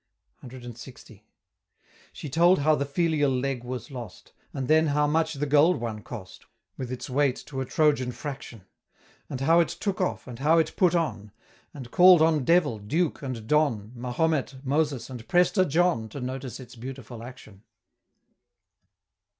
CLX. She told how the filial leg was lost; And then how much the gold one cost; With its weight to a Trojan fraction: And how it took off, and how it put on; And call'd on Devil, Duke, and Don, Mahomet, Moses, and Prester John, To notice its beautiful action.